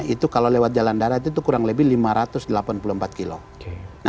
itu kalau lewat jalan darat itu kurang lebih lima ratus delapan puluh empat km